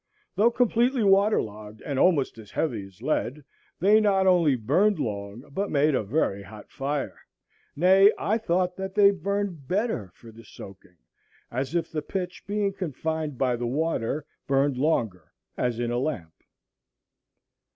Though completely waterlogged and almost as heavy as lead, they not only burned long, but made a very hot fire; nay, I thought that they burned better for the soaking, as if the pitch, being confined by the water, burned longer, as in a lamp.